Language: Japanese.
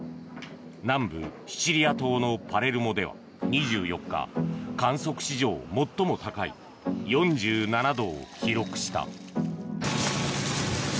南部シチリア島のパレルモでは２４日観測史上最も高い４７度を記録した。